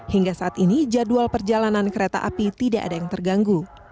hingga saat ini jadwal perjalanan kereta api tidak ada yang terganggu